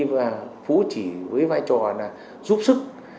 và phú chỉ với vai trò là giúp sức